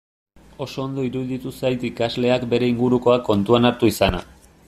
Oso ondo iruditu zait ikasleak bere ingurukoak kontuan hartu izana.